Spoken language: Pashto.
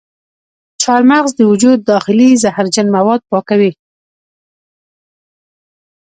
چارمغز د وجود داخلي زهرجن مواد پاکوي.